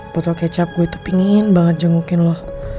botol kecap gue tuh pengen banget jengukin lo